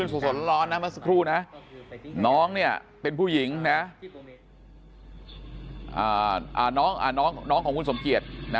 สดร้อนนะเมื่อสักครู่นะน้องเนี่ยเป็นผู้หญิงนะน้องของคุณสมเกียจ